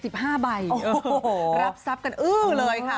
รับทรัพย์กันอื้อเลยค่ะ